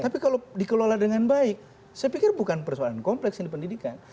tapi kalau dikelola dengan baik saya pikir bukan persoalan kompleks yang di pendidikan